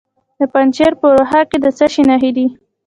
د پنجشیر په روخه کې د څه شي نښې دي؟